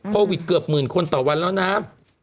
โควิดเกือบหมื่นคนต่อวันแล้วนะ